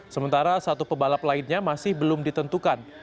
sementara satu pebalap lainnya masih belum ditentukan